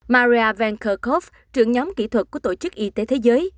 maria vankerkov trưởng nhóm kỹ thuật của tổ chức y tế thế giới